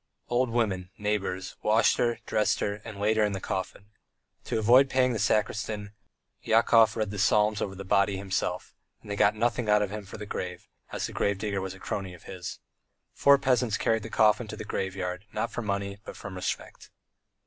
Old women, neighbours, washed her, dressed her, and laid her in the coffin. To avoid paying the sacristan, Yakov read the psalms over the body himself, and they got nothing out of him for the grave, as the grave digger was a crony of his. Four peasants carried the coffin to the graveyard, not for money, but from respect.